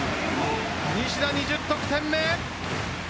西田、２０得点目。